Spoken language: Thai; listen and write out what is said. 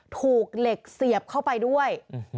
ถูกเหล็กเสียบเข้าไปด้วย